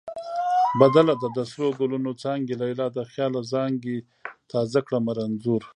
بدله ده: د سرو ګلونو څانګې لیلا د خیاله زانګې تا زه کړمه رنځور